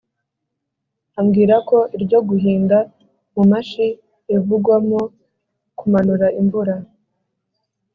ambwira ko iryo guhinda, mu mashi, rivugwamo kumanura imvura.